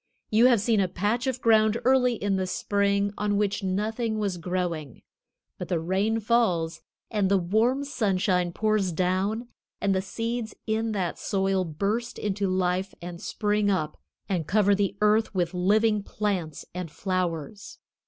You have seen a patch of ground early in the spring on which nothing was growing. But the rain falls, and the warm sunshine pours down, and the seeds in that soil burst into life and spring up and cover the earth with living plants and flowers.